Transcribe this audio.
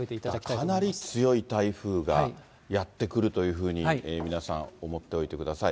かなり強い台風がやって来るというふうに、皆さん、思っておいてください。